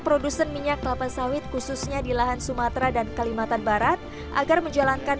produsen minyak kelapa sawit khususnya di lahan sumatera dan kalimantan barat agar menjalankan